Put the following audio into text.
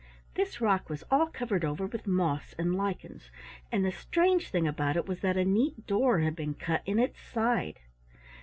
This rock was all covered over with moss and lichens, and the strange thing about it was that a neat door had been cut in its side.